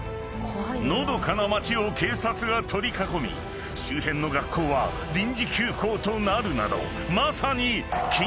［のどかな町を警察が取り囲み周辺の学校は臨時休校となるなどまさに］